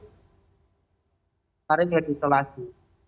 sekarang sudah disolasi